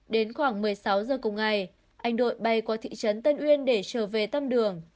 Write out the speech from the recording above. đến khoảng một mươi sáu giờ cùng ngày anh đội bay qua thị trấn tân uyên để trở về tâm đường